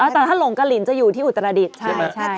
แต่ถ้าหลงกลิ่นจะอยู่ที่อุตรศาสตร์ชนดรใช่ใช่